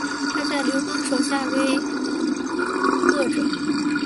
他在刘邦手下为谒者。